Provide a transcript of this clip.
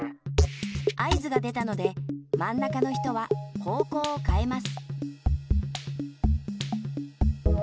合図が出たのでまんなかの人は方向をかえます。